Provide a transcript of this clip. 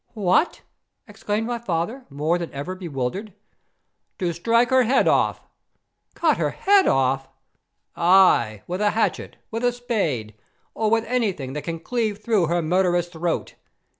"What?" exclaimed my father, more than ever bewildered. "To strike her head off." "Cut her head off!" "Aye, with a hatchet, with a spade, or with anything that can cleave through her murderous throat.